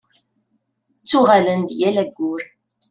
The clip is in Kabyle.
Ttuɣalen-d yal aggur.